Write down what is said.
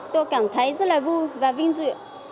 tôi cảm thấy rất là vui và vinh dự